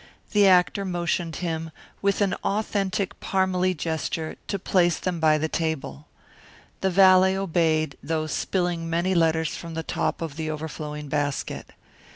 The actor motioned him, with an authentic Parmalee gesture, to place them by the table. The valet obeyed, though spilling many letters from the top of the overflowing basket.